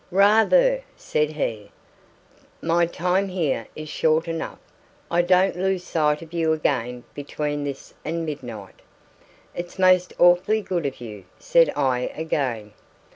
"Rather!" said he. "My time here is short enough. I don't lose sight of you again between this and midnight." "It's most awfully good of you," said I again.